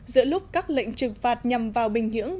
giữa lúc các lệnh trừng phạt nhằm vào bình nhưỡng